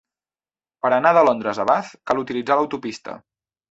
Per anar de Londres a Bath, cal utilitzar l'autopista